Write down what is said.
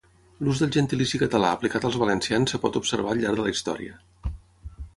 L'ús del gentilici català aplicat als valencians es pot observar al llarg de la història.